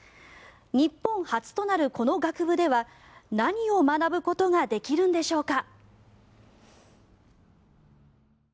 日本初となるこの学部では何を学ぶことができるんでしょうか。